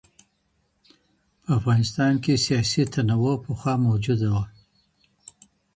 په افغانستان کي سیاسي تنوع پخوا موجوده وه.